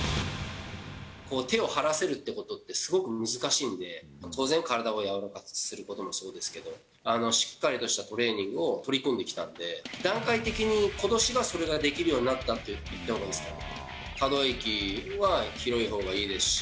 手を張らせるっていうことって、すごく難しいんで、当然、体を柔らかくすることもそうですけど、しっかりとしたトレーニングを取り組んできたんで、段階的にことしがそれができるようになったっていったほうがいいですかね。